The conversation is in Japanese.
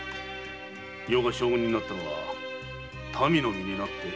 余が将軍になったのは民の身になって政を行うためだ。